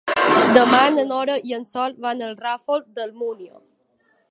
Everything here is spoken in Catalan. Demà na Nora i en Sol van al Ràfol d'Almúnia.